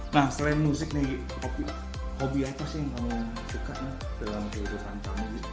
nah selain musik nih hobi apa sih yang kamu suka dalam kehidupan kamu